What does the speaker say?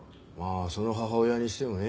その母親にしてもね